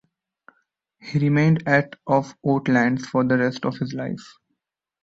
He remained at of Oatlands for the rest of his life.